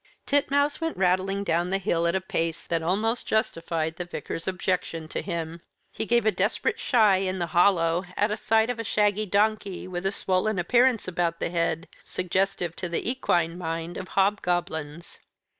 Titmouse went rattling down the hill at a pace that almost justified the Vicar's objection to him. He gave a desperate shy in the hollow at sight of a shaggy donkey, with a swollen appearance about the head, suggestive, to the equine mind, of hobgoblins.